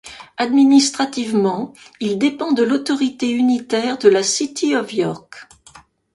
Administrativement, il dépend de l'autorité unitaire de la City of York.